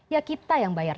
ya kita yang bayar